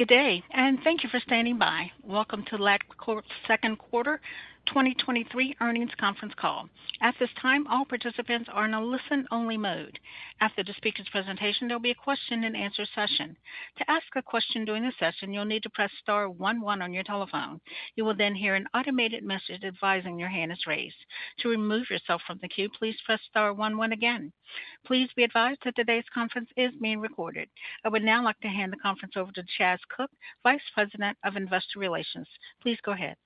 Good day, and thank you for standing by. Welcome to Labcorp's second quarter, 2023 earnings conference call. At this time, all participants are in a listen-only mode. After the speaker's presentation, there will be a question-and-answer session. To ask a question during the session, you'll need to press star one-one on your telephone. You will then hear an automated message advising your hand is raised. To remove yourself from the queue, please press star one-one again. Please be advised that today's conference is being recorded. I would now like to hand the conference over to Chas Cook, Vice President of Investor Relations. Please go ahead.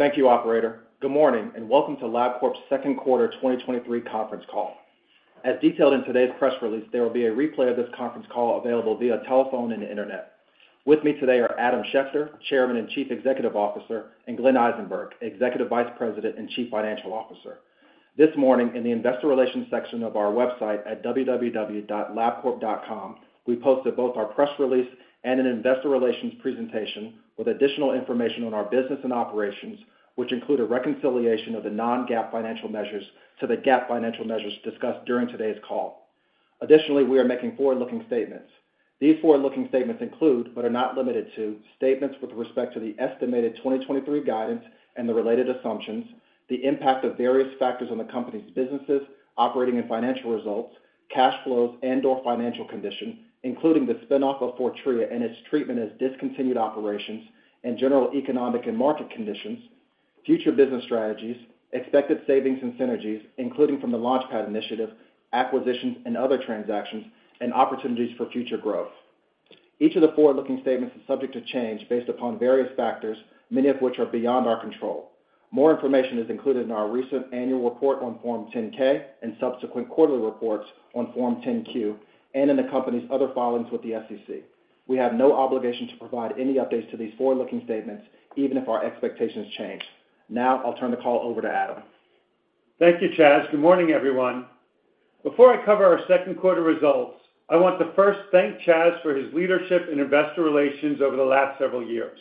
Thank you, operator. Good morning, welcome to Labcorp's second quarter 2023 conference call. As detailed in today's press release, there will be a replay of this conference call available via telephone and the internet. With me today are Adam Schechter, Chairman and Chief Executive Officer, and Glenn Eisenberg, Executive Vice President and Chief Financial Officer. This morning, in the investor relations section of our website at www.labcorp.com, we posted both our press release and an investor relations presentation with additional information on our business and operations, which include a reconciliation of the non-GAAP financial measures to the GAAP financial measures discussed during today's call. We are making forward-looking statements. These forward-looking statements include, but are not limited to, statements with respect to the estimated 2023 guidance and the related assumptions, the impact of various factors on the company's businesses, operating and financial results, cash flows and/or financial conditions, including the spin-off of Fortrea and its treatment as discontinued operations and general economic and market conditions, future business strategies, expected savings and synergies, including from the LaunchPad initiative, acquisitions and other transactions, and opportunities for future growth. Each of the forward-looking statements is subject to change based upon various factors, many of which are beyond our control. More information is included in our recent annual report on Form 10-K and subsequent quarterly reports on Form 10-Q, and in the company's other filings with the SEC. We have no obligation to provide any updates to these forward-looking statements, even if our expectations change. Now I'll turn the call over to Adam. Thank you, Chas. Good morning, everyone. Before I cover our second quarter results, I want to first thank Chas for his leadership in investor relations over the last several years.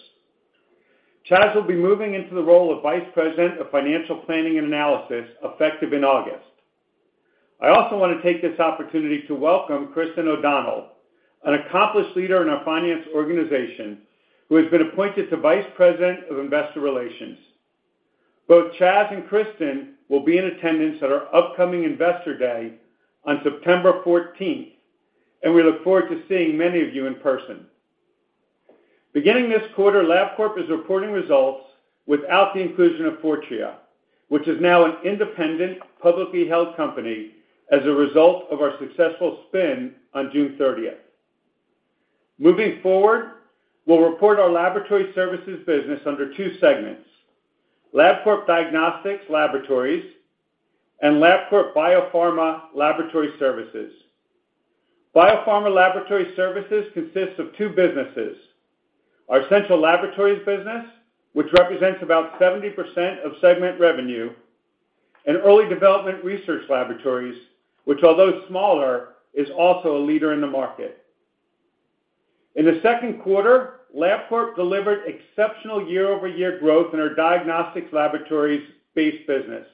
Chas will be moving into the role of Vice President of Financial Planning and Analysis, effective in August. I also want to take this opportunity to welcome Christin O'Donnell, an accomplished leader in our finance organization, who has been appointed to Vice President of Investor Relations. Both Chas and Christin will be in attendance at our upcoming Investor Day on September 14th, and we look forward to seeing many of you in person. Beginning this quarter, Labcorp is reporting results without the inclusion of Fortrea, which is now an independent, publicly held company as a result of our successful spin on June 30th. Moving forward, we'll report our laboratory services business under two segments: Labcorp Diagnostics Laboratories and Labcorp Biopharma Laboratory Services. Biopharma Laboratory Services consists of two businesses: our Central Laboratories business, which represents about 70% of segment revenue, and Early Development Research Laboratories, which, although smaller, is also a leader in the market. In the second quarter, Labcorp delivered exceptional year-over-year growth in our Diagnostics Laboratories Base Business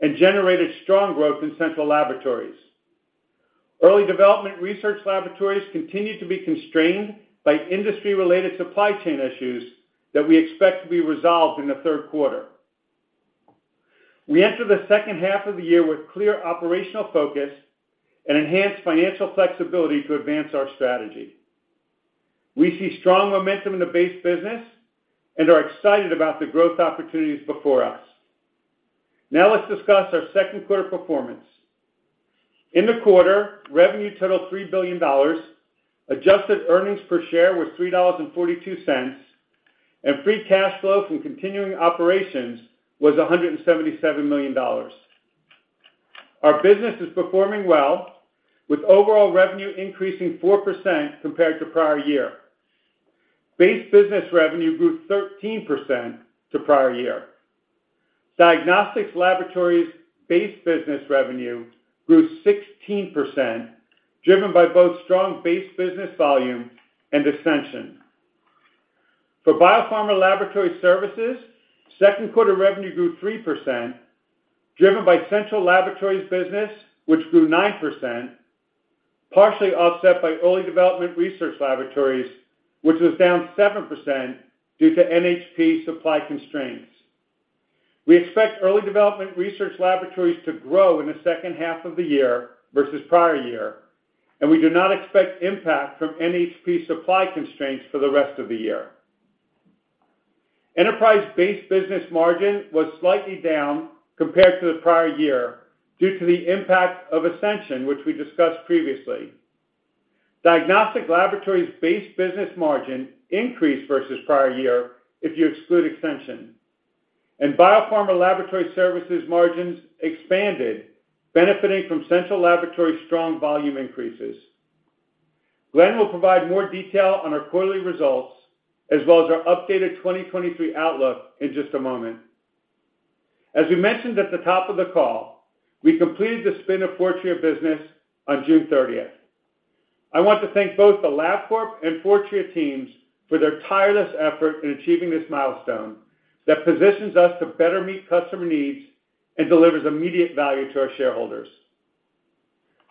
and generated strong growth in central laboratories. Early Development Research Laboratories continued to be constrained by industry-related supply chain issues that we expect to be resolved in the third quarter. We enter the second half of the year with clear operational focus and enhanced financial flexibility to advance our strategy. We see strong momentum in the Base Business and are excited about the growth opportunities before us. Let's discuss our second quarter performance. In the quarter, revenue totaled $3 billion, adjusted earnings per share were $3.42, and free cash flow from continuing operations was $177 million. Our business is performing well, with overall revenue increasing 4% compared to prior year. Base Business revenue grew 13% to prior year. Diagnostics Laboratories Base Business revenue grew 16%, driven by both strong Base Business volume and Ascension. For Biopharma Laboratory Services, second quarter revenue grew 3%, driven by Central Laboratories business, which grew 9%, partially offset by Early Development Research Laboratories, which was down 7% due to NHP supply constraints. We expect Early Development Research Laboratories to grow in the second half of the year versus prior year, and we do not expect impact from NHP supply constraints for the rest of the year. Enterprise-based business margin was slightly down compared to the prior year due to the impact of Ascension, which we discussed previously. Diagnostic Laboratories Base Business margin increased versus prior year if you exclude Ascension. Biopharma Laboratory Services margins expanded, benefiting from Central Laboratory's strong volume increases. Glenn will provide more detail on our quarterly results as well as our updated 2023 outlook in just a moment. As we mentioned at the top of the call, we completed the spin of Fortrea business on June 30th. I want to thank both the Labcorp and Fortrea teams for their tireless effort in achieving this milestone that positions us to better meet customer needs and delivers immediate value to our shareholders.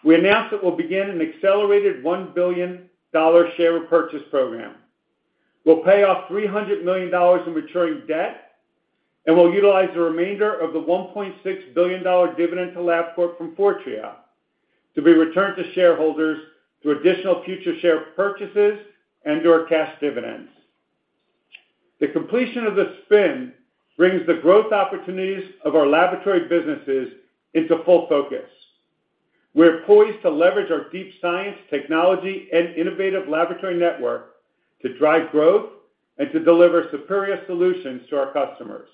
We announced that we'll begin an accelerated $1 billion share repurchase program. We'll pay off $300 million in maturing debt, and we'll utilize the remainder of the $1.6 billion dividend to Labcorp from Fortrea to be returned to shareholders through additional future share purchases and or cash dividends. The completion of the spin brings the growth opportunities of our laboratory businesses into full focus. We're poised to leverage our deep science, technology, and innovative laboratory network to drive growth and to deliver superior solutions to our customers.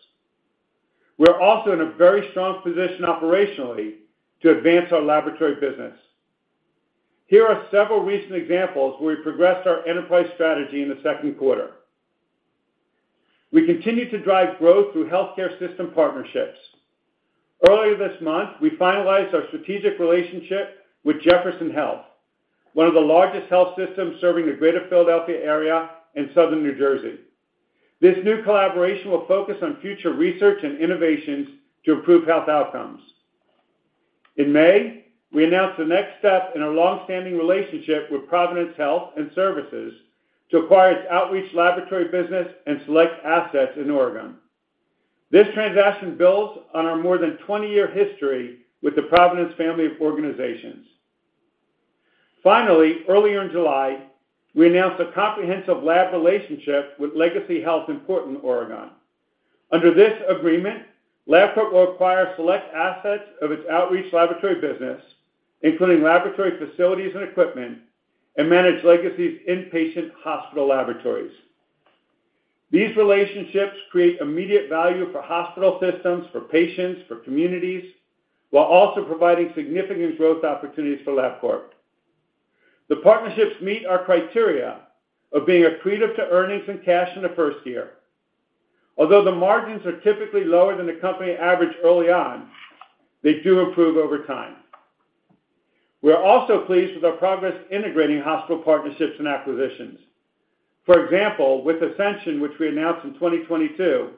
We're also in a very strong position operationally to advance our laboratory business. Here are several recent examples where we progressed our enterprise strategy in the second quarter. We continued to drive growth through healthcare system partnerships. Earlier this month, we finalized our strategic relationship with Jefferson Health, one of the largest health systems serving the greater Philadelphia area and Southern New Jersey. This new collaboration will focus on future research and innovations to improve health outcomes. In May, we announced the next step in our long-standing relationship with Providence Health & Services to acquire its outreach laboratory business and select assets in Oregon. This transaction builds on our more than 20-year history with the Providence family of organizations. Earlier in July, we announced a comprehensive lab relationship with Legacy Health in Portland, Oregon. Under this agreement, Labcorp will acquire select assets of its outreach laboratory business, including laboratory facilities and equipment, and manage Legacy's inpatient hospital laboratories. These relationships create immediate value for hospital systems, for patients, for communities, while also providing significant growth opportunities for Labcorp. The partnerships meet our criteria of being accretive to earnings and cash in the first year. Although the margins are typically lower than the company average early on, they do improve over time. We are also pleased with our progress integrating hospital partnerships and acquisitions. For example, with Ascension, which we announced in 2022,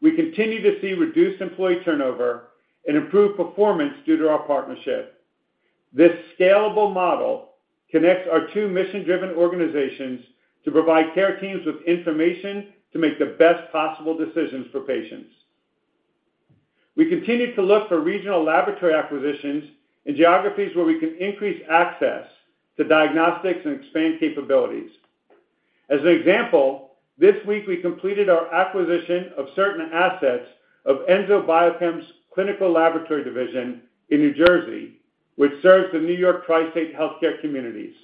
we continue to see reduced employee turnover and improved performance due to our partnership. This scalable model connects our two mission-driven organizations to provide care teams with information to make the best possible decisions for patients. We continue to look for regional laboratory acquisitions in geographies where we can increase access to diagnostics and expand capabilities. As an example, this week we completed our acquisition of certain assets of Enzo Biochem's clinical laboratory division in New Jersey, which serves the New York tri-state healthcare communities.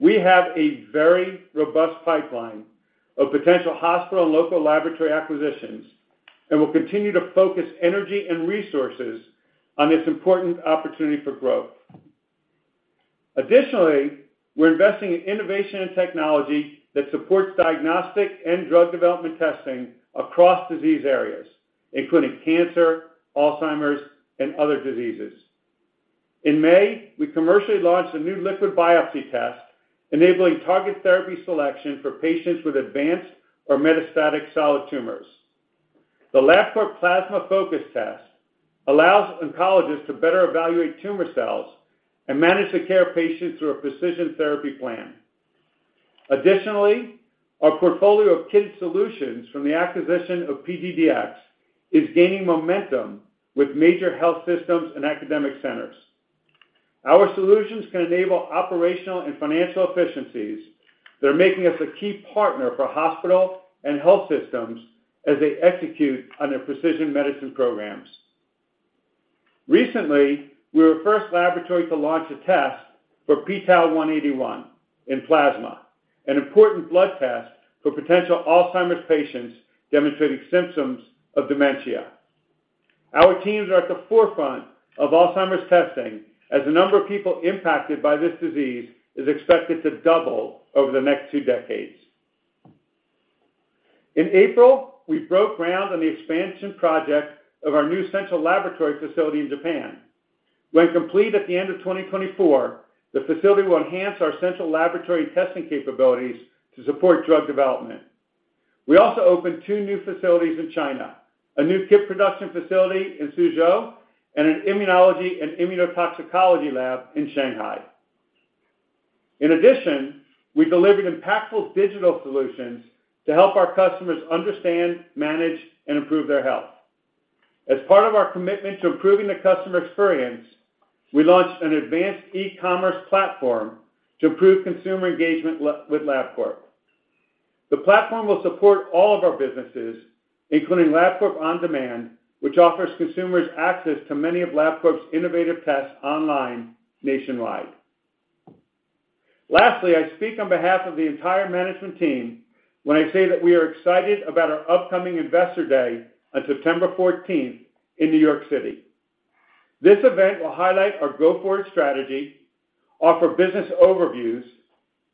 We have a very robust pipeline of potential hospital and local laboratory acquisitions, and we'll continue to focus energy and resources on this important opportunity for growth. Additionally, we're investing in innovation and technology that supports diagnostic and drug development testing across disease areas, including cancer, Alzheimer's, and other diseases. In May, we commercially launched a new liquid biopsy test, enabling target therapy selection for patients with advanced or metastatic solid tumors. The Labcorp Plasma Focus Test allows oncologists to better evaluate tumor cells and manage the care of patients through a precision therapy plan. Additionally, our portfolio of kit solutions from the acquisition of PGDx is gaining momentum with major health systems and academic centers. Our solutions can enable operational and financial efficiencies that are making us a key partner for hospital and health systems as they execute on their precision medicine programs. Recently, we were the first laboratory to launch a test for p-tau181 in plasma, an important blood test for potential Alzheimer's patients demonstrating symptoms of dementia. Our teams are at the forefront of Alzheimer's testing, as the number of people impacted by this disease is expected to double over the next two decades. In April, we broke ground on the expansion project of our new central laboratory facility in Japan. When complete at the end of 2024, the facility will enhance our central laboratory testing capabilities to support drug development. We also opened two new facilities in China, a new kit production facility in Suzhou, and an immunology and immunotoxicology lab in Shanghai. In addition, we delivered impactful digital solutions to help our customers understand, manage, and improve their health. As part of our commitment to improving the customer experience, we launched an advanced e-commerce platform to improve consumer engagement with Labcorp. The platform will support all of our businesses, including Labcorp OnDemand, which offers consumers access to many of Labcorp's innovative tests online nationwide. Lastly, I speak on behalf of the entire management team when I say that we are excited about our upcoming Investor Day on September 14th in New York City. This event will highlight our go-forward strategy, offer business overviews,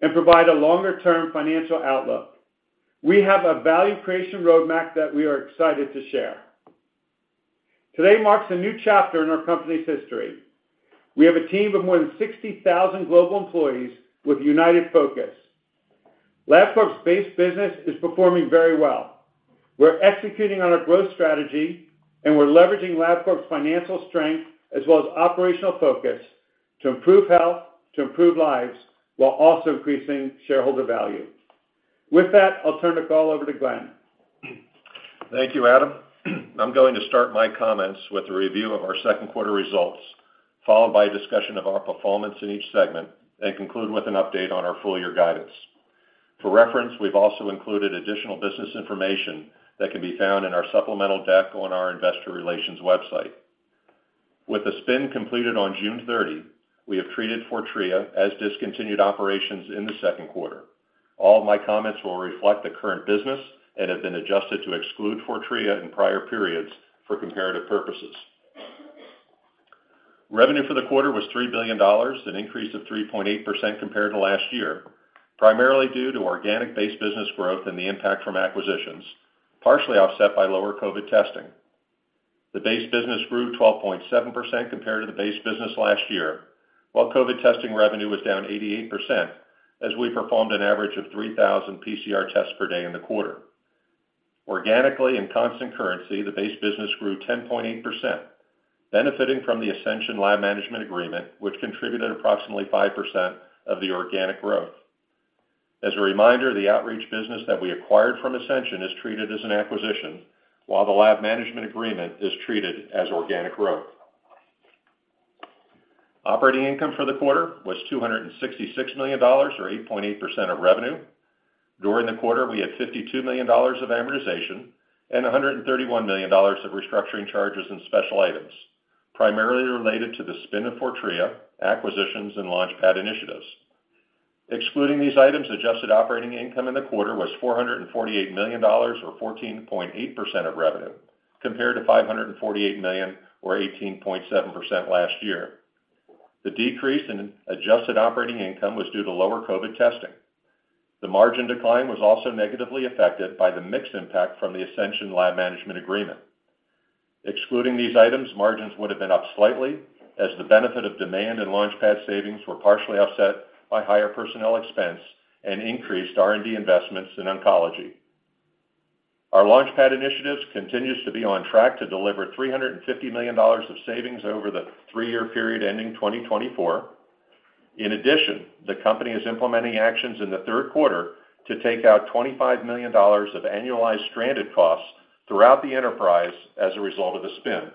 and provide a longer-term financial outlook. We have a value creation roadmap that we are excited to share. Today marks a new chapter in our company's history. We have a team of more than 60,000 global employees with united focus. Labcorp's Base Business is performing very well. We're executing on our growth strategy, and we're leveraging Labcorp's financial strength as well as operational focus to improve health, to improve lives, while also increasing shareholder value. With that, I'll turn the call over to Glenn. Thank you, Adam. I'm going to start my comments with a review of our second quarter results, followed by a discussion of our performance in each segment, and conclude with an update on our full year guidance. For reference, we've also included additional business information that can be found in our supplemental deck on our investor relations website. With the spin completed on June 30, we have treated Fortrea as discontinued operations in the second quarter. All of my comments will reflect the current business and have been adjusted to exclude Fortrea in prior periods for comparative purposes. Revenue for the quarter was $3 billion, an increase of 3.8% compared to last year, primarily due to organic Base Business growth and the impact from acquisitions, partially offset by lower COVID testing. The Base Business grew 12.7% compared to the Base Business last year, while COVID testing revenue was down 88% as we performed an average of 3,000 PCR tests per day in the quarter. Organically, in constant currency, the Base Business grew 10.8%, benefiting from the Ascension lab management agreement, which contributed approximately 5% of the organic growth. As a reminder, the outreach business that we acquired from Ascension is treated as an acquisition, while the lab management agreement is treated as organic growth. Operating income for the quarter was $266 million, or 8.8% of revenue. During the quarter, we had $52 million of amortization and $131 million of restructuring charges and special items, primarily related to the spin of Fortrea, acquisitions, and LaunchPad initiatives. Excluding these items, adjusted operating income in the quarter was $448 million, or 14.8% of revenue, compared to $548 million or 18.7% last year. The decrease in adjusted operating income was due to lower COVID testing. The margin decline was also negatively affected by the mix impact from the Ascension lab management agreement. Excluding these items, margins would have been up slightly as the benefit of demand and LaunchPad savings were partially offset by higher personnel expense and increased R&D investments in oncology. Our LaunchPad initiatives continues to be on track to deliver $350 million of savings over the three-year period ending 2024. In addition, the company is implementing actions in the third quarter to take out $25 million of annualized stranded costs throughout the enterprise as a result of the spin.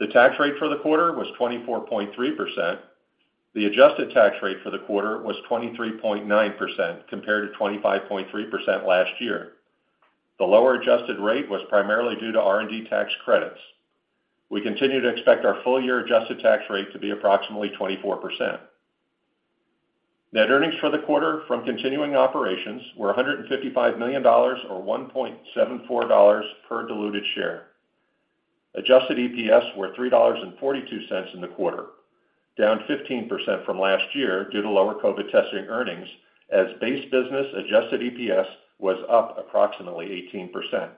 The tax rate for the quarter was 24.3%. The adjusted tax rate for the quarter was 23.9%, compared to 25.3% last year. The lower adjusted rate was primarily due to R&D tax credits. We continue to expect our full year adjusted tax rate to be approximately 24%. Net earnings for the quarter from continuing operations were $155 million, or $1.74 per diluted share. Adjusted EPS were $3.42 in the quarter, down 15% from last year due to lower COVID testing earnings, as Base Business Adjusted EPS was up approximately 18%.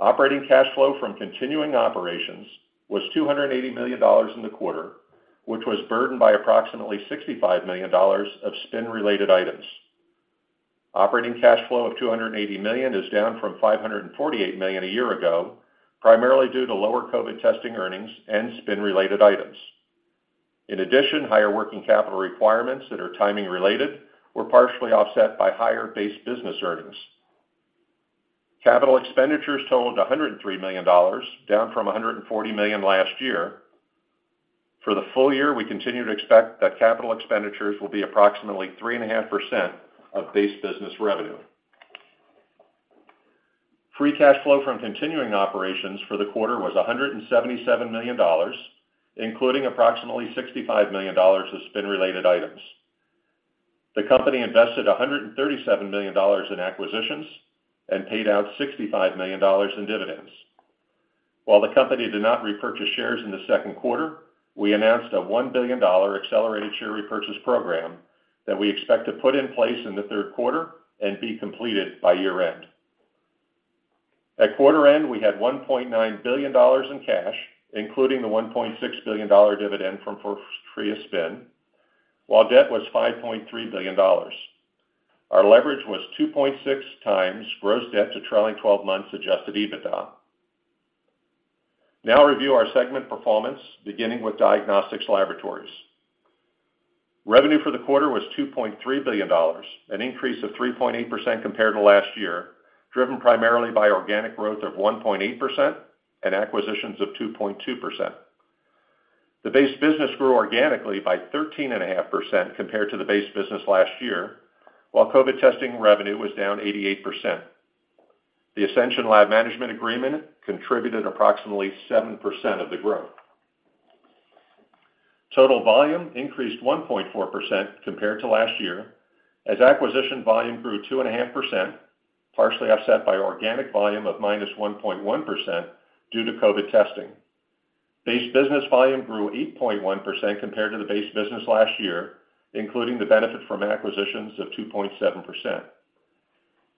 Operating cash flow from continuing operations was $280 million in the quarter, which was burdened by approximately $65 million of spin-related items. Operating cash flow of $280 million is down from $548 million a year ago, primarily due to lower COVID testing earnings and spin-related items. In addition, higher working capital requirements that are timing related were partially offset by higher Base Business earnings. Capital expenditures totaled $103 million, down from $140 million last year. For the full year, we continue to expect that capital expenditures will be approximately 3.5% of Base Business revenue. Free cash flow from continuing operations for the quarter was $177 million, including approximately $65 million of spin-related items. The company invested $137 million in acquisitions and paid out $65 million in dividends. While the company did not repurchase shares in the second quarter, we announced a $1 billion accelerated share repurchase program that we expect to put in place in the third quarter and be completed by year-end. At quarter-end, we had $1.9 billion in cash, including the $1.6 billion dividend from Fortrea spin, while debt was $5.3 billion. Our leverage was 2.6 times gross debt to trailing twelve months Adjusted EBITDA. Now review our segment performance, beginning with diagnostics laboratories. Revenue for the quarter was $2.3 billion, an increase of 3.8% compared to last year, driven primarily by organic growth of 1.8% and acquisitions of 2.2%. The Base Business grew organically by 13.5% compared to the Base Business last year, while COVID testing revenue was down 88%. The Ascension lab management agreement contributed approximately 7% of the growth. Total volume increased 1.4% compared to last year, as acquisition volume grew 2.5%, partially offset by organic volume of -1.1% due to COVID testing. Base Business volume grew 8.1% compared to the Base Business last year, including the benefit from acquisitions of 2.7%.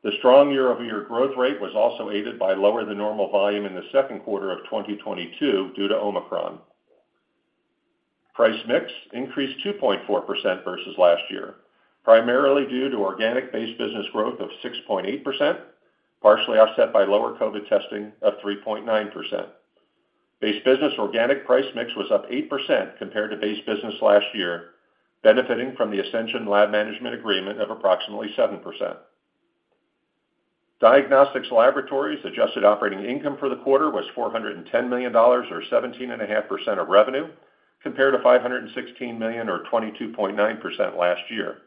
The strong year-over-year growth rate was also aided by lower-than-normal volume in the second quarter of 2022 due to Omicron. Price mix increased 2.4% versus last year, primarily due to organic Base Business growth of 6.8%, partially offset by lower COVID testing of 3.9%. Base Business organic price mix was up 8% compared to Base Business last year, benefiting from the Ascension lab management agreement of approximately 7%. Diagnostics Laboratories adjusted operating income for the quarter was $410 million, or 17.5% of revenue, compared to $516 million or 22.9% last year.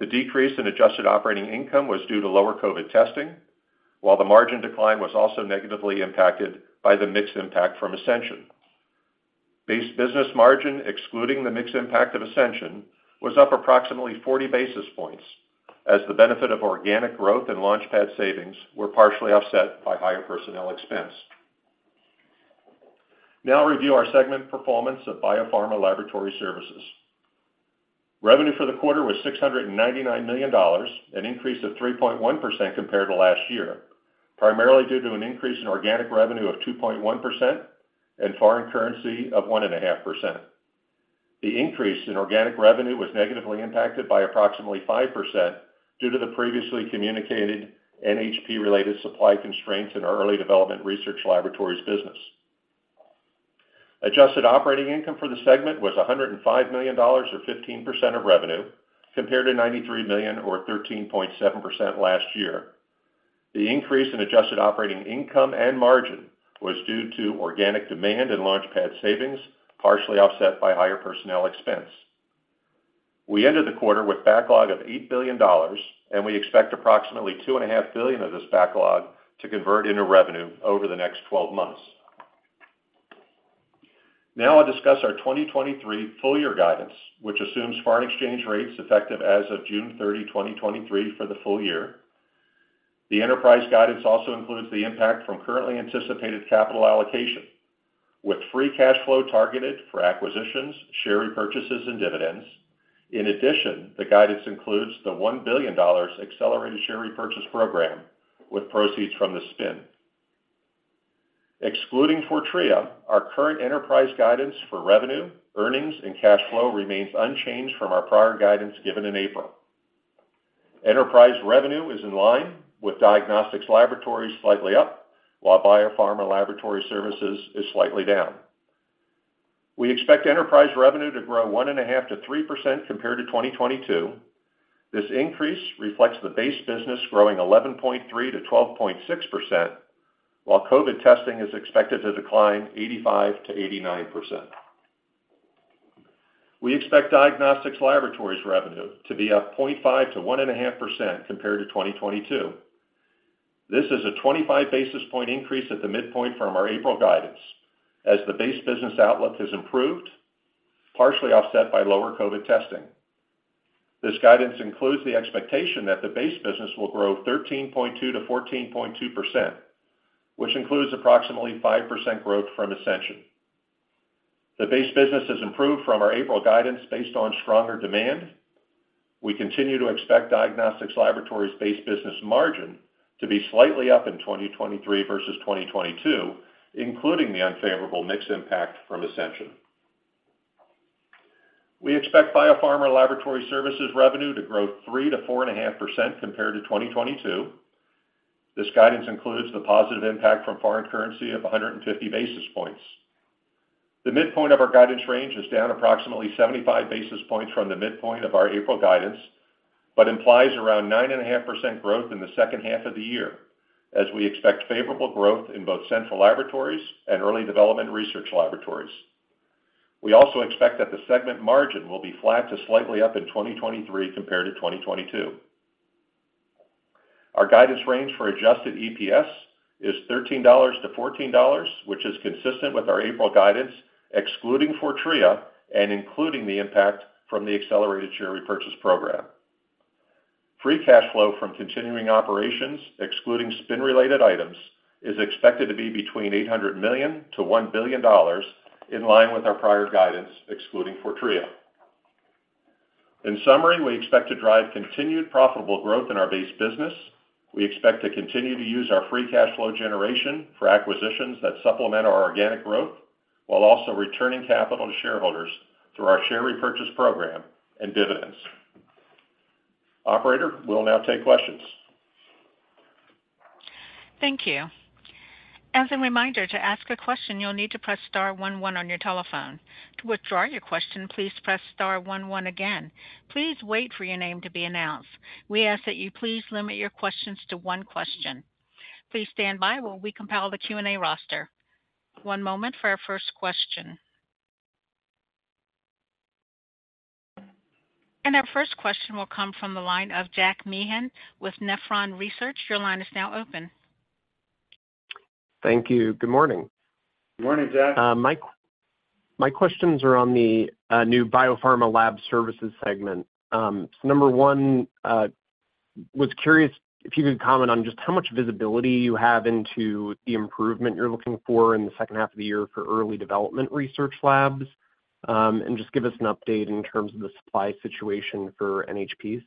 The decrease in adjusted operating income was due to lower COVID testing, while the margin decline was also negatively impacted by the mixed impact from Ascension. Base Business margin, excluding the mix impact of Ascension, was up approximately 40 basis points, as the benefit of organic growth and LaunchPad savings were partially offset by higher personnel expense. Now I'll review our segment performance of Biopharma Laboratory Services. Revenue for the quarter was $699 million, an increase of 3.1% compared to last year, primarily due to an increase in organic revenue of 2.1% and foreign currency of 1.5%. The increase in organic revenue was negatively impacted by approximately 5% due to the previously communicated NHP-related supply constraints in our Early Development Research Laboratories business. Adjusted operating income for the segment was $105 million, or 15% of revenue, compared to $93 million or 13.7% last year. The increase in adjusted operating income and margin was due to organic demand and LaunchPad savings, partially offset by higher personnel expense. We ended the quarter with backlog of $8 billion, and we expect approximately $2.5 billion of this backlog to convert into revenue over the next 12 months. I'll discuss our 2023 full year guidance, which assumes foreign exchange rates effective as of June 30, 2023 for the full year. The enterprise guidance also includes the impact from currently anticipated capital allocation, with free cash flow targeted for acquisitions, share repurchases, and dividends. In addition, the guidance includes the $1 billion accelerated share repurchase program with proceeds from the spin. Excluding Fortrea, our current enterprise guidance for revenue, earnings, and cash flow remains unchanged from our prior guidance given in April. Enterprise revenue is in line with diagnostics laboratories slightly up, while Biopharma Laboratory Services is slightly down. We expect enterprise revenue to grow 1.5%-3% compared to 2022. This increase reflects the Base Business growing 11.3%-12.6%, while COVID testing is expected to decline 85%-89%. We expect diagnostics laboratories revenue to be up 0.5%-1.5% compared to 2022. This is a 25 basis point increase at the midpoint from our April guidance, as the Base Business outlook has improved, partially offset by lower COVID testing. This guidance includes the expectation that the Base Business will grow 13.2%-14.2%, which includes approximately 5% growth from Ascension. The Base Business has improved from our April guidance based on stronger demand. We continue to expect Diagnostics Laboratories Base Business margin to be slightly up in 2023 versus 2022, including the unfavorable mix impact from Ascension. We expect Biopharma Laboratory Services revenue to grow 3%-4.5% compared to 2022. This guidance includes the positive impact from foreign currency of 150 basis points. The midpoint of our guidance range is down approximately 75 basis points from the midpoint of our April guidance, implies around 9.5% growth in the second half of the year, as we expect favorable growth in both Central Laboratories and Early Development Research Laboratories. We also expect that the segment margin will be flat to slightly up in 2023 compared to 2022. Our guidance range for Adjusted EPS is $13-$14, which is consistent with our April guidance, excluding Fortrea and including the impact from the accelerated share repurchase program. Free cash flow from continuing operations, excluding spin-related items, is expected to be between $800 million-$1 billion, in line with our prior guidance, excluding Fortrea. In summary, we expect to drive continued profitable growth in our Base Business. We expect to continue to use our free cash flow generation for acquisitions that supplement our organic growth, while also returning capital to shareholders through our share repurchase program and dividends. Operator, we will now take questions. Thank you. As a reminder, to ask a question, you'll need to press star one one on your telephone. To withdraw your question, please press star one one again. Please wait for your name to be announced. We ask that you please limit your questions to one question. Please stand by while we compile the Q&A roster. One moment for our first question. Our first question will come from the line of Jack Meehan with Nephron Research. Your line is now open. Thank you. Good morning. Good morning, Jack. My questions are on the new Biopharma Laboratory Services segment. Number one, was curious if you could comment on just how much visibility you have into the improvement you're looking for in the second half of the year for Early Development Research Laboratories? And just give us an update in terms of the supply situation for NHPs?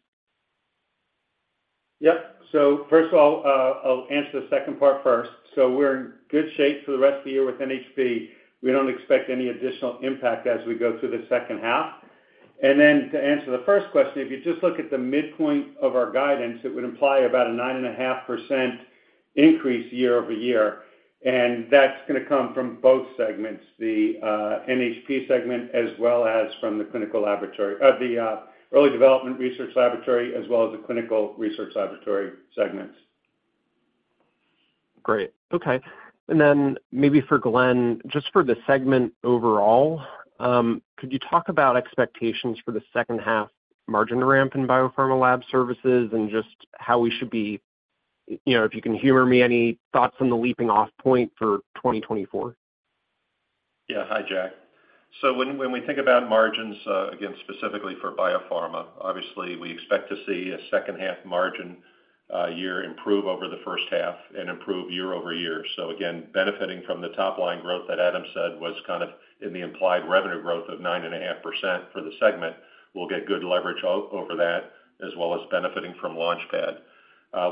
Yep. first of all, I'll answer the second part first. We're in good shape for the rest of the year with NHP. We don't expect any additional impact as we go through the second half. To answer the first question, if you just look at the midpoint of our guidance, it would imply about a 9.5% increase year-over-year, that's going to come from both segments, the NHP segment, as well as from the Early Development Research Laboratories, as well as the clinical research laboratory segments. Great. Okay. Then maybe for Glenn, just for the segment overall, could you talk about expectations for the second half margin ramp in Biopharma Lab Services and just how we should be, you know, if you can humor me, any thoughts on the leaping off point for 2024? Yeah. Hi, Jack. When we think about margins, again, specifically for Biopharma, obviously, we expect to see a second half margin year improve over the first half and improve year over year. Again, benefiting from the top line growth that Adam said was kind of in the implied revenue growth of 9.5% for the segment, we'll get good leverage over that, as well as benefiting from LaunchPad.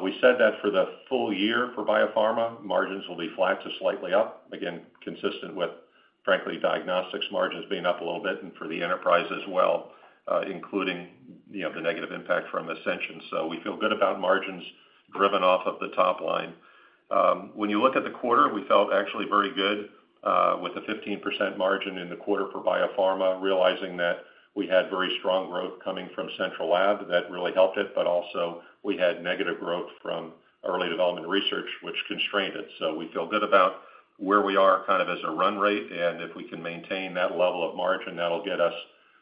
We said that for the full year for Biopharma, margins will be flat to slightly up. Again, consistent with, frankly, Diagnostics margins being up a little bit, and for the enterprise as well, including, you know, the negative impact from Ascension. We feel good about margins driven off of the top line. When you look at the quarter, we felt actually very good, with the 15% margin in the quarter for Biopharma, realizing that we had very strong growth coming from Central Lab. That really helped it, but also we had negative growth from Early Development Research, which constrained it. We feel good about where we are kind of as a run rate, and if we can maintain that level of margin, that'll get us,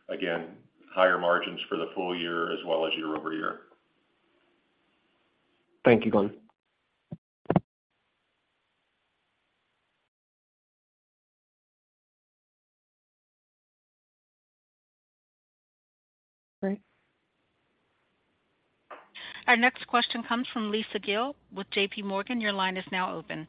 again, higher margins for the full year as well as year-over-year. Thank you, Glenn. Our next question comes from Lisa Gill with JPMorgan. Your line is now open.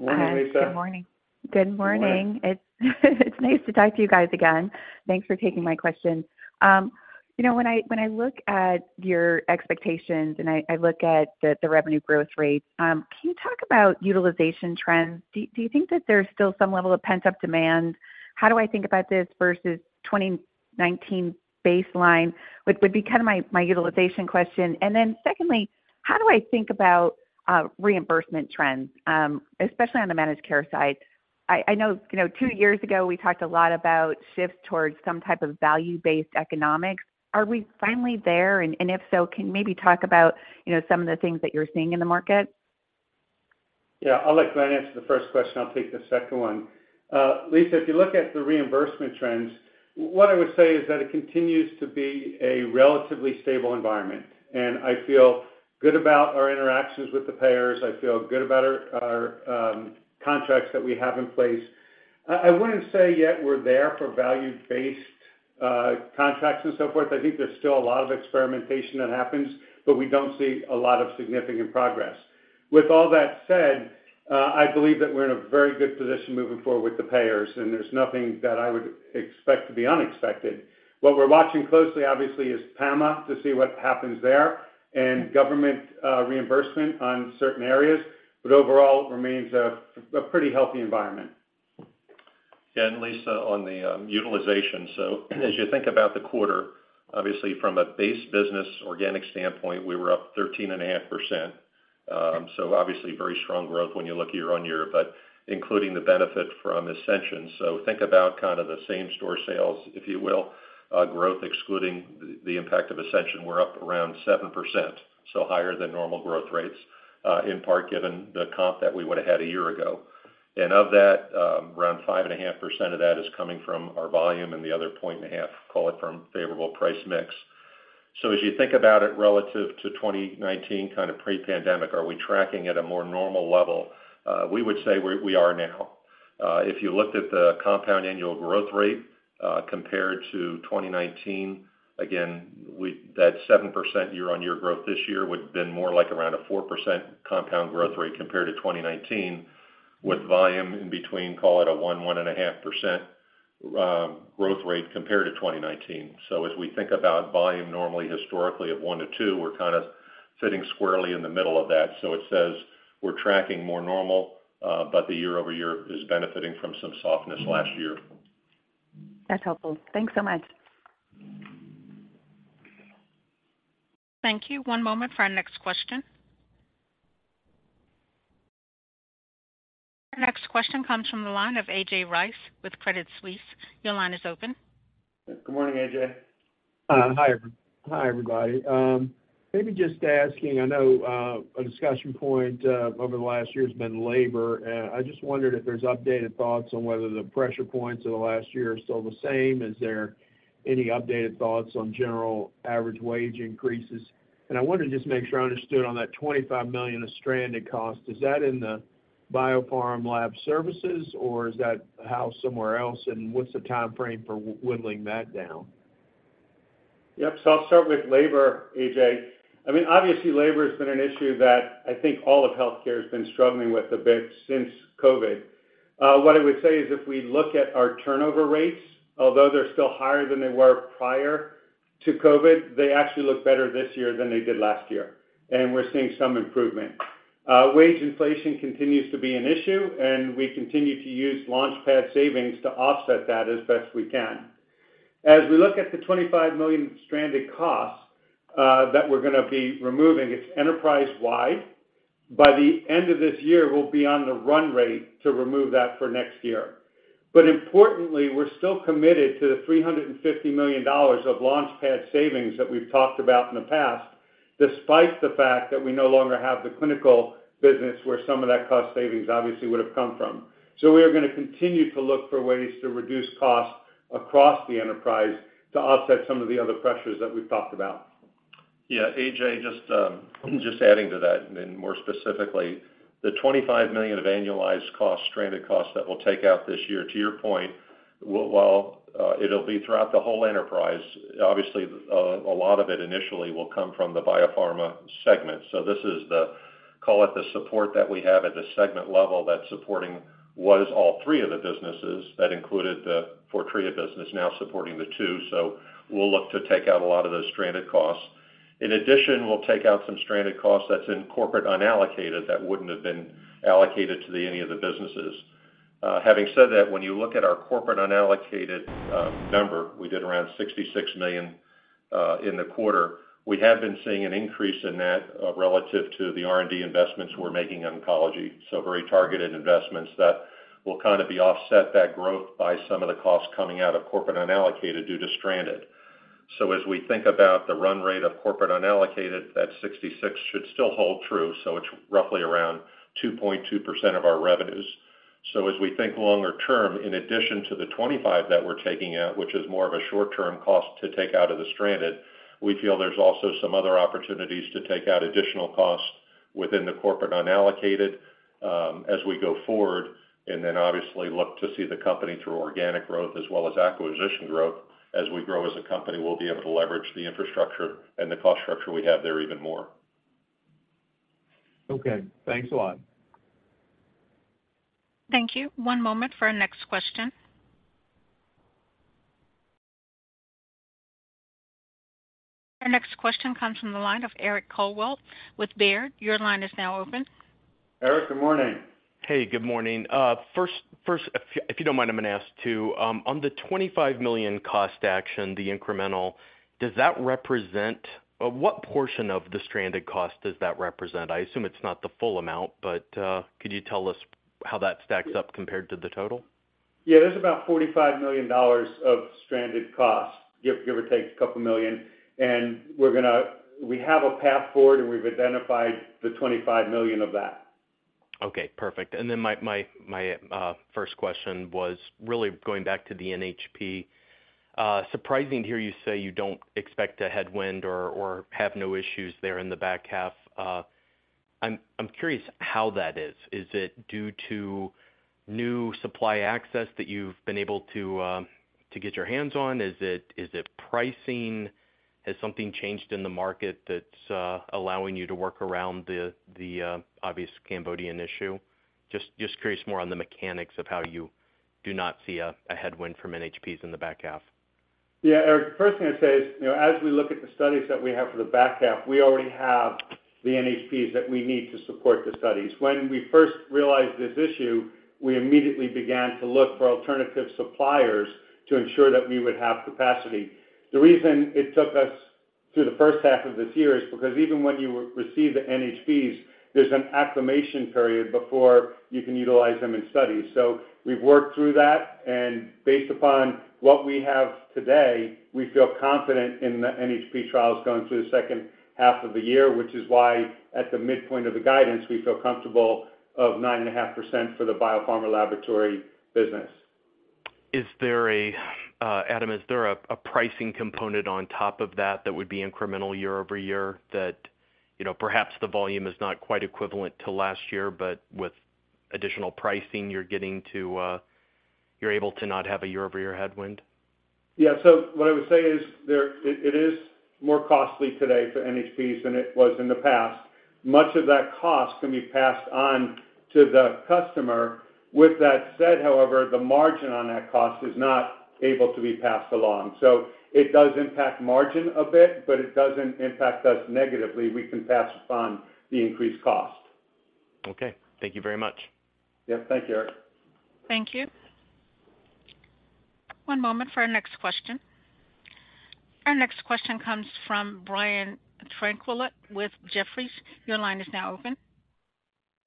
Morning, Lisa. Good morning. Good morning. It's nice to talk to you guys again. Thanks for taking my question. You know, when I look at your expectations and I look at the revenue growth rate, can you talk about utilization trends? Do you think that there's still some level of pent-up demand? How do I think about this versus 2019 baseline? Would be kind of my utilization question. Then secondly, how do I think about reimbursement trends, especially on the managed care side? I know, you know, two years ago, we talked a lot about shifts towards some type of value-based economics. Are we finally there? If so, can you maybe talk about, you know, some of the things that you're seeing in the market? Yeah, I'll let Glenn answer the first question. I'll take the second one. Lisa, if you look at the reimbursement trends, what I would say is that it continues to be a relatively stable environment, and I feel good about our interactions with the payers. I feel good about our contracts that we have in place. I wouldn't say yet we're there for value-based contracts and so forth. I think there's still a lot of experimentation that happens, but we don't see a lot of significant progress. With all that said, I believe that we're in a very good position moving forward with the payers, and there's nothing that I would expect to be unexpected. What we're watching closely, obviously, is PAMA, to see what happens there, and government reimbursement on certain areas, but overall, it remains a pretty healthy environment. Lisa, on the utilization. As you think about the quarter, obviously from a Base Business organic standpoint, we were up 13.5%. Obviously, very strong growth when you look year-over-year, but including the benefit from Ascension. Think about kind of the same store sales, if you will, growth, excluding the impact of Ascension, we're up around 7%, so higher than normal growth rates, in part, given the comp that we would have had a year ago. Of that, around 5.5% of that is coming from our volume and the other 1.5%, call it from favorable price mix. As you think about it relative to 2019, kind of pre-pandemic, are we tracking at a more normal level? We would say we are now. If you looked at the compound annual growth rate, compared to 2019, again, that 7% year-on-year growth this year would have been more like around a 4% compound growth rate compared to 2019, with volume in between, call it a 1%-1.5% growth rate compared to 2019. As we think about volume normally historically at 1%-2%, we're kind of sitting squarely in the middle of that. It says we're tracking more normal, but the year-over-year is benefiting from some softness last year. That's helpful. Thanks so much. Thank you. One moment for our next question. Our next question comes from the line of A.J. Rice with Credit Suisse. Your line is open. Good morning, A.J. Hi, everybody. Maybe just asking, I know, a discussion point over the last year has been labor. I just wondered if there's updated thoughts on whether the pressure points of the last year are still the same. Is there any updated thoughts on general average wage increases? I wanted to just make sure I understood on that $25 million of stranded cost, is that in the Biopharma Lab Services, or is that housed somewhere else, and what's the time frame for whittling that down? Yep, I'll start with labor, A.J. I mean, obviously, labor has been an issue that I think all of healthcare has been struggling with a bit since COVID. What I would say is if we look at our turnover rates, although they're still higher than they were prior to COVID, they actually look better this year than they did last year, and we're seeing some improvement. Wage inflation continues to be an issue, and we continue to use LaunchPad savings to offset that as best we can. As we look at the $25 million stranded costs that we're gonna be removing, it's enterprise-wide. By the end of this year, we'll be on the run rate to remove that for next year. Importantly, we're still committed to the $350 million of LaunchPad savings that we've talked about in the past, despite the fact that we no longer have the clinical business, where some of that cost savings obviously would have come from. We are gonna continue to look for ways to reduce costs across the enterprise to offset some of the other pressures that we've talked about. Yeah, A.J., just adding to that, and more specifically, the $25 million of annualized costs, stranded costs, that we'll take out this year, to your point, while it'll be throughout the whole enterprise, obviously, a lot of it initially will come from the Biopharma segment. This is the, call it the support that we have at the segment level that's supporting what is all three of the businesses that included the Fortrea business, now supporting the two. We'll look to take out a lot of those stranded costs. We'll take out some stranded costs that's in corporate unallocated that wouldn't have been allocated to the any of the businesses. When you look at our corporate unallocated number, we did around $66 million in the quarter. We have been seeing an increase in that relative to the R&D investments we're making in oncology. Very targeted investments that will kind of be offset that growth by some of the costs coming out of corporate unallocated due to stranded. As we think about the run rate of corporate unallocated, that $66 million should still hold true, so it's roughly around 2.2% of our revenues. As we think longer term, in addition to the $25 million that we're taking out, which is more of a short-term cost to take out of the stranded, we feel there's also some other opportunities to take out additional costs within the corporate unallocated as we go forward, obviously look to see the company through organic growth as well as acquisition growth. As we grow as a company, we'll be able to leverage the infrastructure and the cost structure we have there even more. Okay, thanks a lot. Thank you. One moment for our next question. Our next question comes from the line of Eric Coldwell with Baird. Your line is now open. Eric, good morning. Hey, good morning. First, if you don't mind, I'm gonna ask, too, on the $25 million cost action, the incremental, does that represent or what portion of the stranded cost does that represent? I assume it's not the full amount, but could you tell us how that stacks up compared to the total? Yeah, there's about $45 million of stranded costs, give or take a $2 million, and we have a path forward, and we've identified the $25 million of that. Okay, perfect. Then my first question was really going back to the NHP. Surprising to hear you say you don't expect a headwind or have no issues there in the back half. I'm curious how that is. Is it due to new supply access that you've been able to get your hands on? Is it pricing? Has something changed in the market that's allowing you to work around the obvious Cambodian issue? Just curious more on the mechanics of how you do not see a headwind from NHPs in the back half. Yeah, Eric, the first thing I'd say is, you know, as we look at the studies that we have for the back half, we already have the NHPs that we need to support the studies. When we first realized this issue, we immediately began to look for alternative suppliers to ensure that we would have capacity. The reason it took us through the first half of this year is because even when you re-receive the NHPs, there's an acclimation period before you can utilize them in studies. We've worked through that, and based upon what we have today, we feel confident in the NHP trials going through the second half of the year, which is why, at the midpoint of the guidance, we feel comfortable of 9.5% for the Biopharma Laboratory Business. Is there a, Adam, is there a pricing component on top of that, that would be incremental year-over-year? That, you know, perhaps the volume is not quite equivalent to last year, but with additional pricing, you're getting to, you're able to not have a year-over-year headwind? Yeah, what I would say is it is more costly today for NHP's than it was in the past. Much of that cost can be passed on to the customer. With that said, however, the margin on that cost is not able to be passed along. It does impact margin a bit, but it doesn't impact us negatively. We can pass upon the increased cost. Okay. Thank you very much. Yeah. Thank you, Eric. Thank you. One moment for our next question. Our next question comes from Brian Tanquilut with Jefferies. Your line is now open.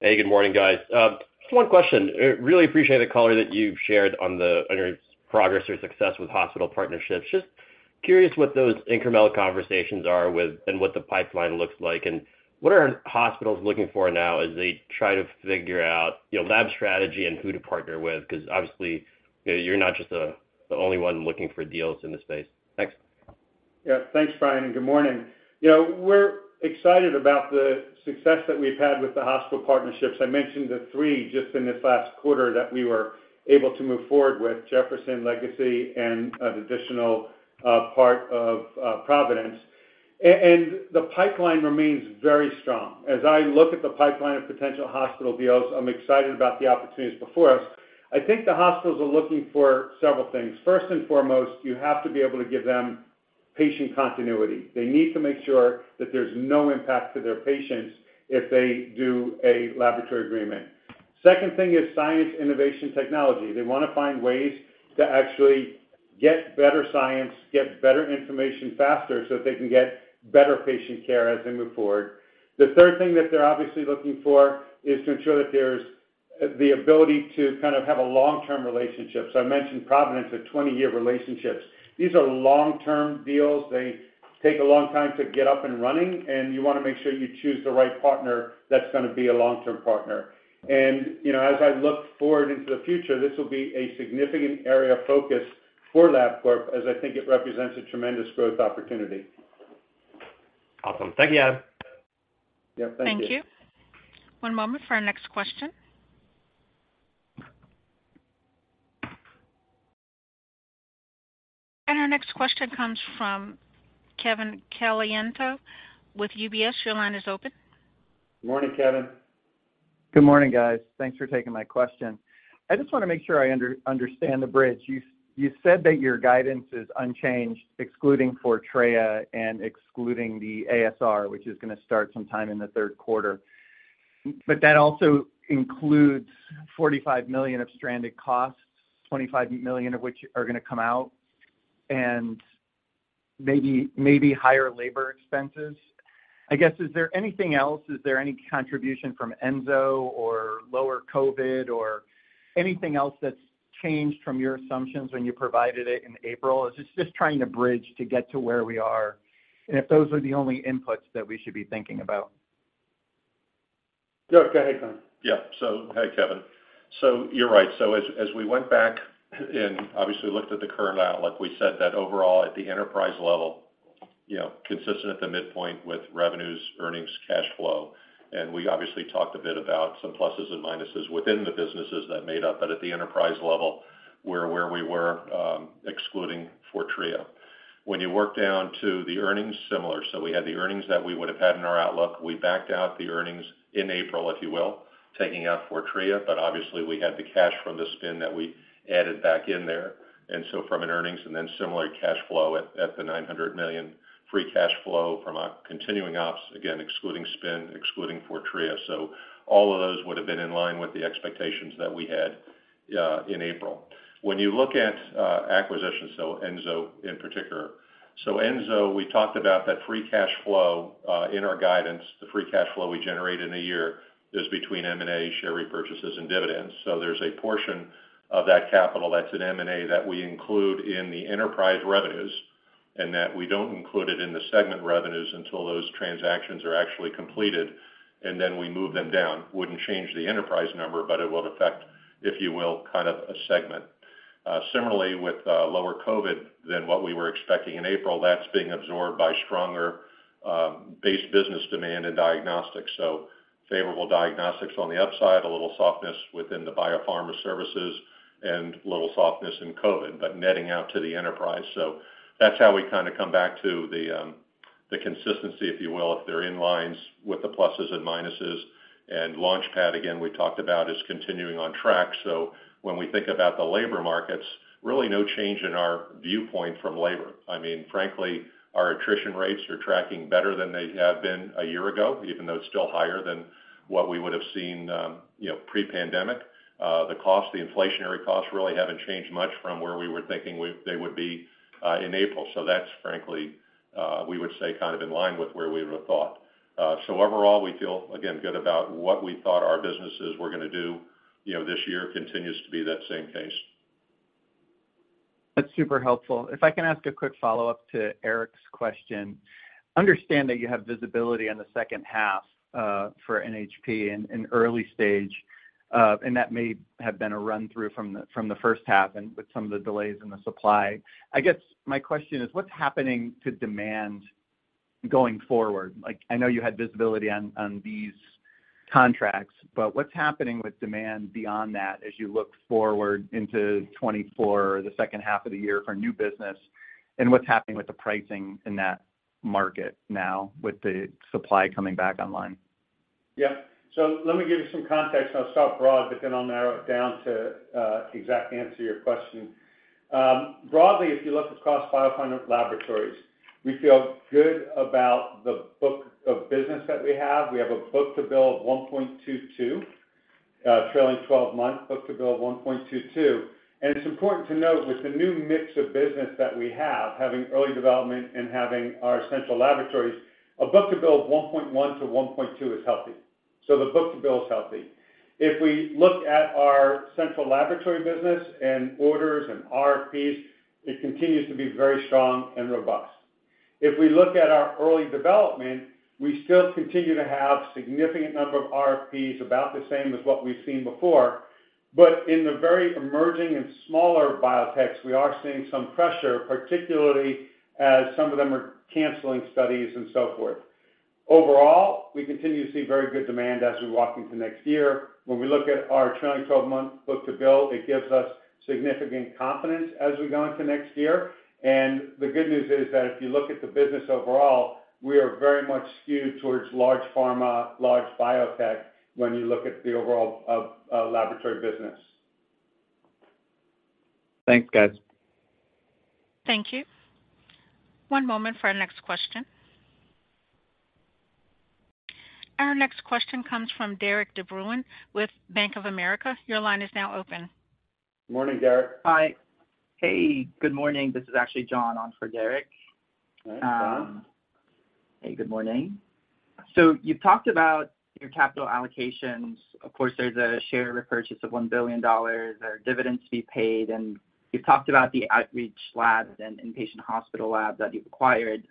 Hey, good morning, guys. Just one question. Really appreciate the color that you've shared on the, on your progress or success with hospital partnerships. Just curious what those incremental conversations are and what the pipeline looks like, and what are hospitals looking for now as they try to figure out, you know, lab strategy and who to partner with? Because obviously, you're not just the only one looking for deals in this space. Thanks. Yeah. Thanks, Brian, and good morning. You know, we're excited about the success that we've had with the hospital partnerships. I mentioned the three just in this last quarter that we were able to move forward with Jefferson Legacy and an additional part of Providence. The pipeline remains very strong. As I look at the pipeline of potential hospital deals, I'm excited about the opportunities before us. I think the hospitals are looking for several things. First and foremost, you have to be able to give them patient continuity. They need to make sure that there's no impact to their patients if they do a laboratory agreement. Second thing is science, innovation, technology. They wanna find ways to actually get better science, get better information faster, so that they can get better patient care as they move forward. The third thing that they're obviously looking for is to ensure that there's the ability to kind of have a long-term relationship. I mentioned Providence, 20-year relationships. These are long-term deals. They take a long time to get up and running, and you wanna make sure you choose the right partner that's gonna be a long-term partner. You know, as I look forward into the future, this will be a significant area of focus for Labcorp, as I think it represents a tremendous growth opportunity. Awesome. Thank you, Adam. Yeah, thank you. Thank you. One moment for our next question. Our next question comes from Kevin Caliendo with UBS. Your line is open. Morning, Kevin. Good morning, guys. Thanks for taking my question. I just want to make sure I understand the bridge. You said that your guidance is unchanged, excluding Fortrea and excluding the ASR, which is gonna start sometime in the third quarter. That also includes $45 million of stranded costs, $25 million of which are gonna come out, and maybe higher labor expenses. I guess, is there anything else, is there any contribution from Enzo or lower COVID, or anything else that's changed from your assumptions when you provided it in April? Is it's just trying to bridge to get to where we are, and if those are the only inputs that we should be thinking about? Yeah, go ahead, Glenn. Yeah. Hi, Kevin. You're right. As we went back and obviously looked at the current outlook, we said that overall, at the enterprise level, you know, consistent at the midpoint with revenues, earnings, cash flow, and we obviously talked a bit about some pluses and minuses within the businesses that made up. At the enterprise level, we're where we were, excluding Fortrea. When you work down to the earnings, similar, we had the earnings that we would have had in our outlook. We backed out the earnings in April, if you will, taking out Fortrea, but obviously we had the cash from the spin that we added back in there, from an earnings, similar cash flow at the $900 million free cash flow from our continuing ops, again, excluding spin, excluding Fortrea. All of those would have been in line with the expectations that we had in April. When you look at acquisitions, so Enzo in particular. Enzo, we talked about that free cash flow in our guidance. The free cash flow we generate in a year is between M&A, share repurchases, and dividends. There's a portion of that capital that's in M&A that we include in the enterprise revenues, and that we don't include it in the segment revenues until those transactions are actually completed, and then we move them down. Wouldn't change the enterprise number, but it will affect, if you will, kind of a segment. Similarly, with lower COVID than what we were expecting in April, that's being absorbed by stronger Base Business demand and diagnostics. Favorable diagnostics on the upside, a little softness within the Biopharma services, and little softness in COVID, but netting out to the enterprise. That's how we kinda come back to the, the consistency, if you will, if they're in lines with the pluses and minuses. LaunchPad, again, we talked about, is continuing on track. When we think about the labor markets, really no change in our viewpoint from labor. I mean, frankly, our attrition rates are tracking better than they have been a year ago, even though it's still higher than what we would have seen, you know, pre-pandemic. The cost, the inflationary costs, really haven't changed much from where we were thinking they would be, in April. That's frankly, we would say, kind of in line with where we would have thought. Overall, we feel, again, good about what we thought our businesses were gonna do, you know, this year continues to be that same case. That's super helpful. If I can ask a quick follow-up to Eric's question. Understand that you have visibility on the second half for NHP in, in early stage, and that may have been a run-through from the, from the first half and with some of the delays in the supply. I guess my question is, what's happening to demand going forward? Like, I know you had visibility on, on these contracts, but what's happening with demand beyond that as you look forward into 2024, the second half of the year for new business, and what's happening with the pricing in that market now with the supply coming back online? Yeah. Let me give you some context, and I'll start broad, but then I'll narrow it down to exactly answer your question. Broadly, if you look across Biopharma Laboratory Services, we feel good about the book of business that we have. We have a book-to-bill of 1.22, trailing 12 months, book-to-bill of 1.22. It's important to note, with the new mix of business that we have, having Early Development and having our Central Laboratories, a book-to-bill of 1.1-1.2 is healthy. The book-to-bill is healthy. If we look at our Central Laboratory business and orders and RFPs, it continues to be very strong and robust. If we look at our early development, we still continue to have significant number of RFPs, about the same as what we've seen before. In the very emerging and smaller biotechs, we are seeing some pressure, particularly as some of them are canceling studies and so forth. Overall, we continue to see very good demand as we walk into next year. When we look at our trailing 12-month book-to-bill, it gives us significant confidence as we go into next year. The good news is that if you look at the business overall, we are very much skewed towards large pharma, large biotech, when you look at the overall laboratory business. Thanks, guys. Thank you. One moment for our next question. Our next question comes from Derik de Bruin with Bank of America. Your line is now open. Morning, Derik. Hi. Hey, good morning. This is actually John on for Derik. Hi, John. Hey, good morning. You've talked about your capital allocations. Of course, there's a share repurchase of $1 billion, there are dividends to be paid, and you've talked about the outreach labs and inpatient hospital labs that you've acquired.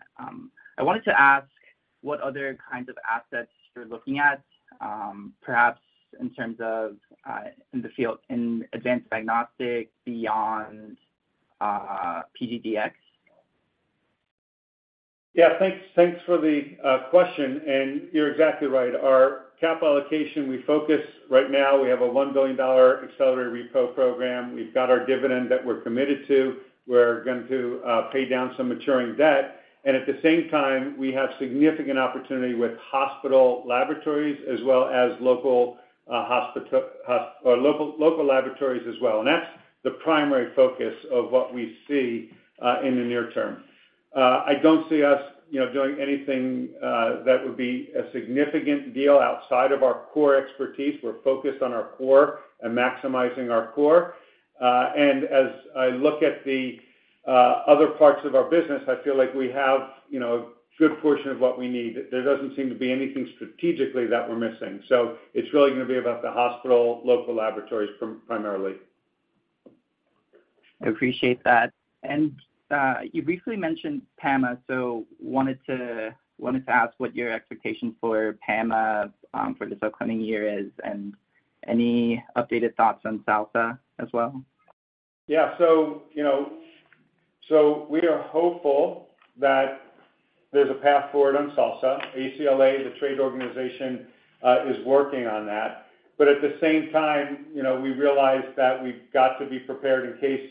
I wanted to ask what other kinds of assets you're looking at, perhaps in terms of in the field, in advanced diagnostics beyond PGDx? Yeah, thanks for the question, and you're exactly right. Our capital allocation, we focus right now, we have a $1 billion accelerated repo program. We've got our dividend that we're committed to. We're going to pay down some maturing debt, and at the same time, we have significant opportunity with hospital laboratories as well as local laboratories as well. That's the primary focus of what we see in the near term. I don't see us, you know, doing anything that would be a significant deal outside of our core expertise. We're focused on our core and maximizing our core. As I look at the other parts of our business, I feel like we have, you know, a good portion of what we need. There doesn't seem to be anything strategically that we're missing. It's really gonna be about the hospital, local laboratories primarily. I appreciate that. You briefly mentioned PAMA, so wanted to ask what your expectation for PAMA, for this upcoming year is, and any updated thoughts on SALSA as well? You know, we are hopeful that there's a path forward on SALSA. ACLA, the trade organization, is working on that. At the same time, you know, we realize that we've got to be prepared in case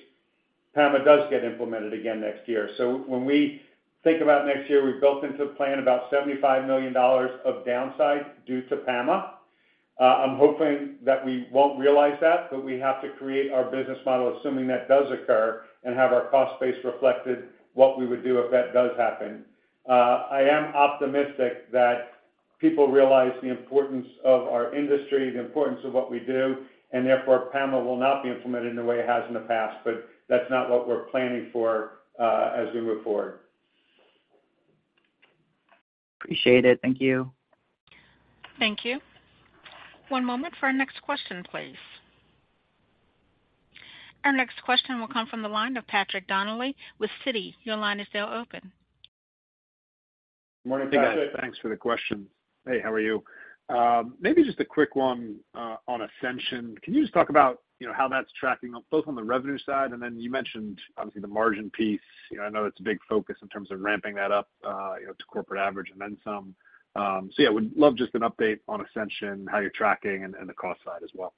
PAMA does get implemented again next year. When we think about next year, we've built into the plan about $75 million of downside due to PAMA. I'm hoping that we won't realize that, but we have to create our business model, assuming that does occur, and have our cost base reflected what we would do if that does happen. I am optimistic that people realize the importance of our industry, the importance of what we do, and therefore, PAMA will not be implemented in the way it has in the past, but that's not what we're planning for, as we move forward. Appreciate it. Thank you. Thank you. One moment for our next question, please. Our next question will come from the line of Patrick Donnelly with Citi. Your line is still open. Morning, Patrick. Thanks for the question. Hey, how are you? Maybe just a quick one on Ascension. Can you just talk about, you know, how that's tracking, both on the revenue side, and then you mentioned, obviously, the margin piece. You know, I know it's a big focus in terms of ramping that up, you know, to corporate average and then some. Yeah, would love just an update on Ascension, how you're tracking and the cost side as well.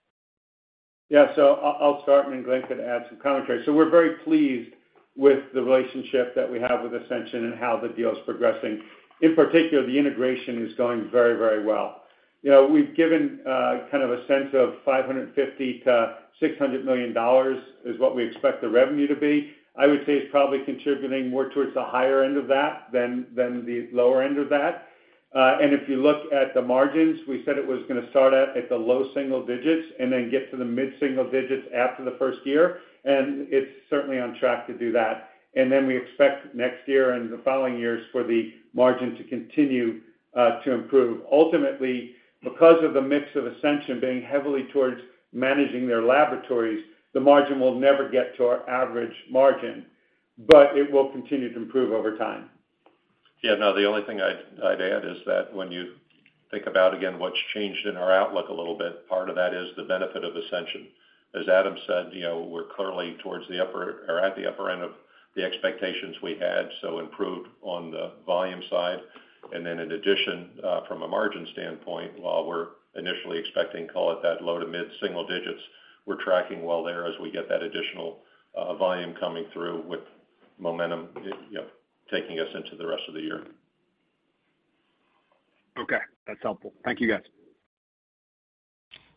Yeah, I'll start, and Glenn could add some commentary. We're very pleased with the relationship that we have with Ascension and how the deal is progressing. In particular, the integration is going very, very well. You know, we've given kind of a sense of $550 million-$600 million is what we expect the revenue to be. I would say it's probably contributing more towards the higher end of that than the lower end of that. If you look at the margins, we said it was gonna start out at the low-single digits and then get to the mid-single digits after the first year, and it's certainly on track to do that. Then we expect next year and the following years for the margin to continue to improve. Ultimately, because of the mix of Ascension being heavily towards managing their laboratories, the margin will never get to our average margin, but it will continue to improve over time. The only thing I'd add is that when you think about, again, what's changed in our outlook a little bit, part of that is the benefit of Ascension. As Adam said, you know, we're clearly towards the upper or at the upper end of the expectations we had, so improved on the volume side. In addition, from a margin standpoint, while we're initially expecting, call it that low to mid-single digits, we're tracking well there as we get that additional volume coming through with momentum, you know, taking us into the rest of the year. Okay, that's helpful. Thank you, guys.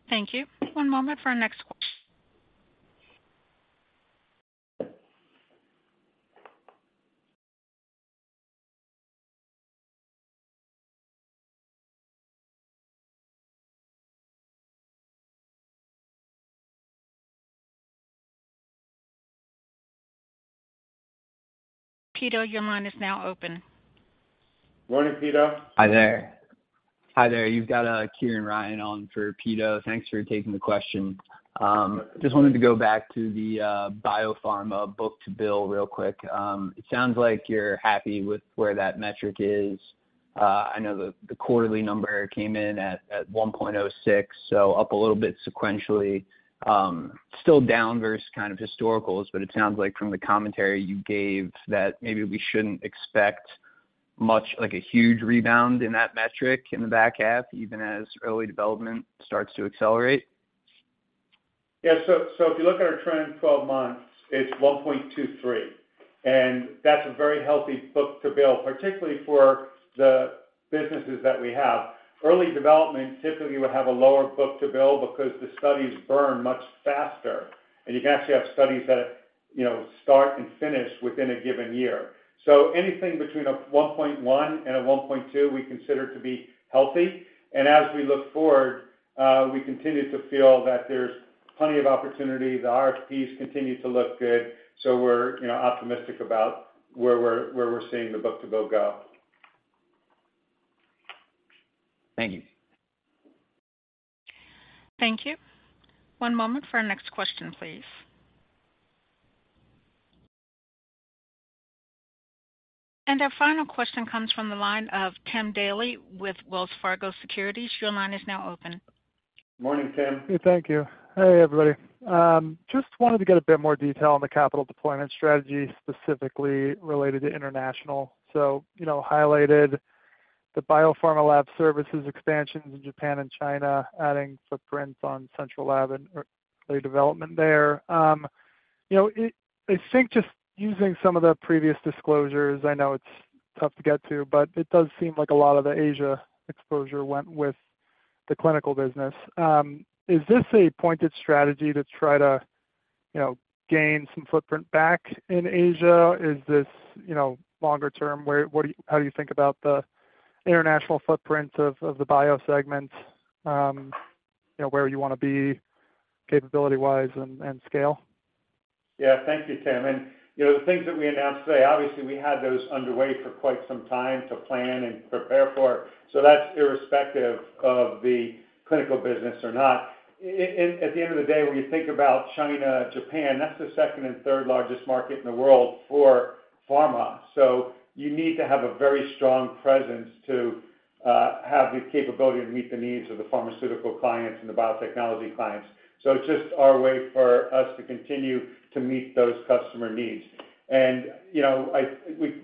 Thank you. One moment for our next. Pito, your line is now open. Morning, Pito. Hi there. You've got Kieran Ryan on for Pito. Thanks for taking the question. Just wanted to go back to the Biopharma book-to-bill real quick. It sounds like you're happy with where that metric is. I know the quarterly number came in at 1.06, so up a little bit sequentially. Still down versus kind of historicals, but it sounds like from the commentary you gave, that maybe we shouldn't expect much like a huge rebound in that metric in the back half, even as Early Development starts to accelerate? Yeah, so if you look at our trend in 12 months, it's 1.23. That's a very healthy book-to-bill, particularly for the businesses that we have. Early Development, typically, you would have a lower book-to-bill because the studies burn much faster, and you can actually have studies that, you know, start and finish within a given year. Anything between 1.1 and 1.2, we consider to be healthy. As we look forward, we continue to feel that there's plenty of opportunity. The RFPs continue to look good, so we're, you know, optimistic about where we're, where we're seeing the book-to-bill go. Thank you. Thank you. One moment for our next question, please. Our final question comes from the line of Tim Daley with Wells Fargo Securities. Your line is now open. Morning, Tim. Hey, thank you. Hey, everybody. Just wanted to get a bit more detail on the capital deployment strategy, specifically related to international. You know, highlighted the Biopharma Lab Services expansions in Japan and China, adding footprints on Central Lab and Early Development there. You know, I think just using some of the previous disclosures, I know it's tough to get to, but it does seem like a lot of the Asia exposure went with the clinical business. Is this a pointed strategy to try to, you know, gain some footprint back in Asia? Is this, you know, longer term? Where, how do you think about the international footprint of, of the bio segments, you know, where you wanna be capability-wise and, and scale? Yeah. Thank you, Tim. You know, the things that we announced today, obviously, we had those underway for quite some time to plan and prepare for, so that's irrespective of the clinical business or not. At the end of the day, when you think about China, Japan, that's the second and third largest market in the world for pharma. You need to have a very strong presence to have the capability to meet the needs of the pharmaceutical clients and the biotechnology clients. It's just our way for us to continue to meet those customer needs. You know,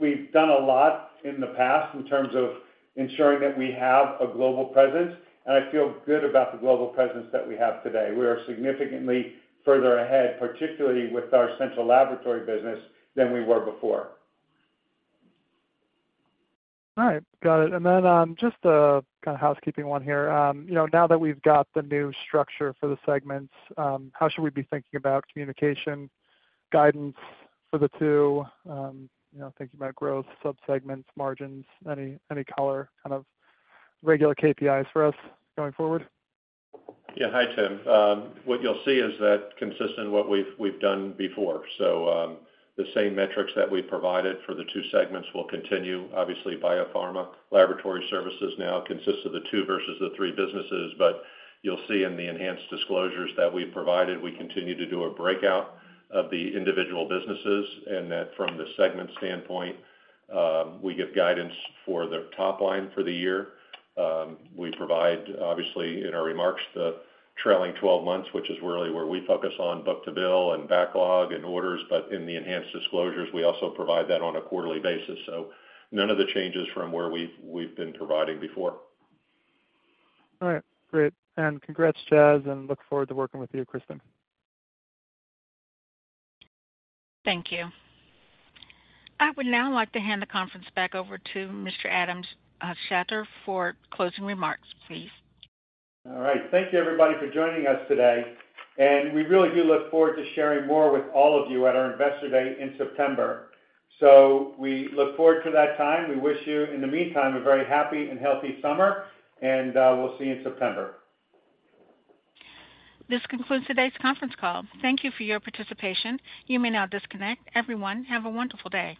we've done a lot in the past in terms of ensuring that we have a global presence, and I feel good about the global presence that we have today. We are significantly further ahead, particularly with our Central Laboratory business, than we were before. All right. Got it. Then, just a kind of housekeeping one here. You know, now that we've got the new structure for the segments, how should we be thinking about communication, guidance for the two? You know, thinking about growth, subsegments, margins, any color, kind of regular KPIs for us going forward? Yeah. Hi, Tim. what you'll see is that consistent in what we've done before. the same metrics that we provided for the two segments will continue. Obviously, Biopharma Laboratory Services now consists of the two versus the three businesses, but you'll see in the enhanced disclosures that we provided, we continue to do a breakout of the individual businesses, and that from the segment standpoint, we give guidance for the top line for the year. we provide, obviously, in our remarks, the trailing twelve months, which is really where we focus on book-to-bill and backlog and orders. in the enhanced disclosures, we also provide that on a quarterly basis, none of the changes from where we've been providing before. All right, great. Congrats, Chas, and look forward to working with you, Christin. Thank you. I would now like to hand the conference back over to Mr. Adam Schechter for closing remarks, please. All right. Thank you, everybody, for joining us today, and we really do look forward to sharing more with all of you at our Investor Day in September. We look forward to that time. We wish you, in the meantime, a very happy and healthy summer, and we'll see you in September. This concludes today's conference call. Thank you for your participation. You may now disconnect. Everyone, have a wonderful day.